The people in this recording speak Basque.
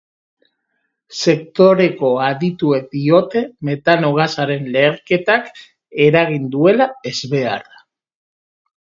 Sektoreko adituek diote metano gasaren leherketak eragin duela ezbeharra.